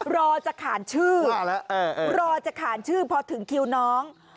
รอจะขานชื่อรอจะขานชื่อพอถึงคิวน้อง